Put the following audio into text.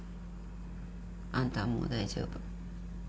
あんたはもう大丈夫。